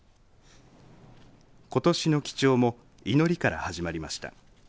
ことしの記帳も祈りから始まりました。